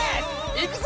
いくぞ！